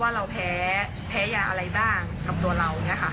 ว่าเราแพ้แพ้ยาอะไรบ้างกับตัวเราเนี่ยค่ะ